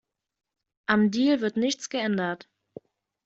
Am Deal wird nichts geändert.